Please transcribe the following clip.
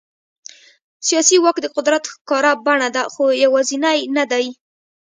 سیاسي واک د قدرت ښکاره بڼه ده، خو یوازینی نه دی.